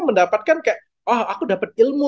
mendapatkan kayak oh aku dapat ilmu